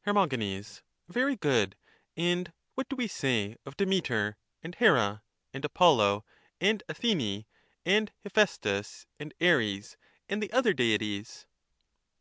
Her, Very good ; and what do we say of Demeter, and Here, and Apollo, and Athene, and Hephaestus, and Ares, and the other deities?